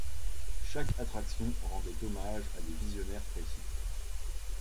Chaque attraction rendait hommage à des visionnaires précis.